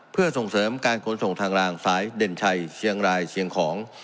เพื่อส่งเสริมการขนส่งทางรางสายเด่นชัยเชียงรายเชียงของ